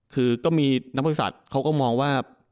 คือก็มีนักบริษัทเขาก็มองว่า